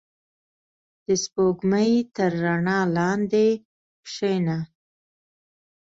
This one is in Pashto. • د سپوږمۍ تر رڼا لاندې کښېنه.